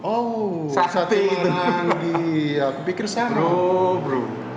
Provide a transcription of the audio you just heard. oh sakti marangi aku pikir sama bro